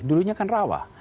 dulunya kan rawa